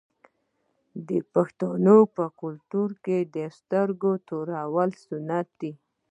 د پښتنو په کلتور کې د سترګو تورول سنت دي.